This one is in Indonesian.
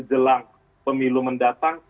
jelang pemilu mendatang